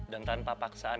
dan tanpa paksaan